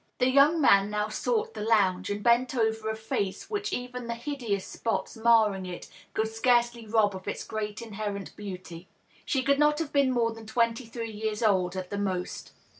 The young man now sought the lounge, and bent over a face which even the hideous spots marring it could scarcely rob of its great inherent beauty. She could not have been more than twenty three years old, at the most.